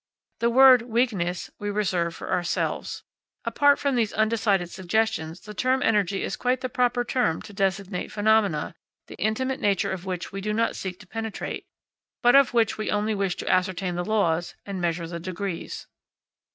The word "weakness" we reserve for ourselves. Apart from these undecided suggestions, the term energy is quite the proper term to designate phenomena, the intimate nature of which we do not seek to penetrate, but of which we only wish to ascertain the laws and measure the degrees.